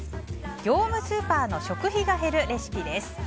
業務スーパーの食費が減るレシピです。